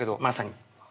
まさに。